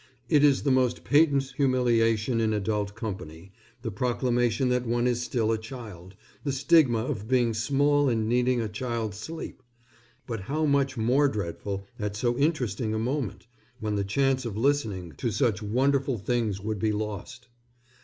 It is the most patent humiliation in adult company, the proclamation that one is still a child, the stigma of being small and needing a child's sleep. But how much more dreadful at so interesting a moment, when the chance of listening to such wonderful things would be lost.